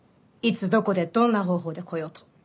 いつどこでどんな方法でこようと。